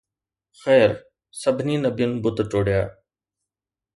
خير، سڀني نبين بت ٽوڙيا.